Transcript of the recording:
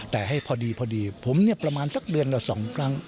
แต่ให้พอดีผมเนี่ยประมาณสักเดือนหรือสองครั้ง